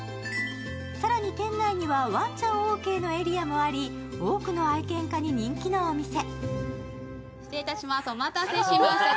更に店内にはワンちゃんオーケーのエリアもあり、多くの愛犬家に人気のお店。